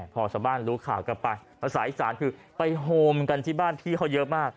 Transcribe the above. พอชาวบ้านรู้ข่าวกันไปภาษาอีสานคือไปโฮมกันที่บ้านพี่เขาเยอะมาก